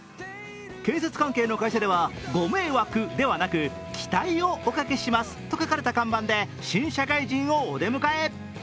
建設関係の会社ではご迷惑ではなく「期待をお掛けします」と書かれた看板で新社会人をお出迎え。